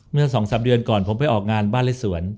เมื่อ๒๓เดือนก่อนผมไปออกงานบ้านเลขสวน